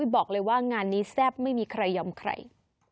บอกเลยว่างานนี้แซ่บไม่มีใครยอมใคร